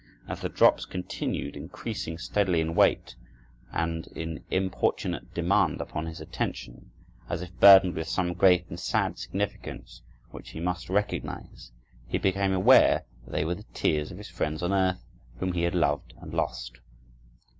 As the drops continued increasing steadily in weight and in importunate demand upon his attention, as if burdened with some great and sad significance which he must recognize, he became aware that they were the tears of his friends on earth whom he had loved and lost.